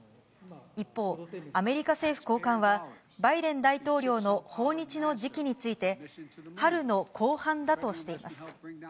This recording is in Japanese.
一方、アメリカ政府高官は、バイデン大統領の訪日の時期について、春の後半だとしています。